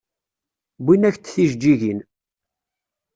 Wwin-ak-d tijeǧǧigin.